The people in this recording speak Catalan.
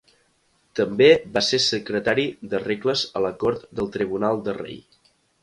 També va ser secretari de regles a la Cort del Tribunal de Rei.